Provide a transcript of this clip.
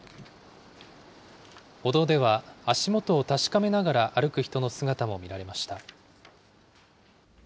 歩道では、足元を確かめながら歩く人の姿も見られました。